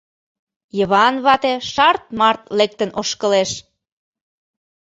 Йыван вате шарт-март лектын ошкылеш.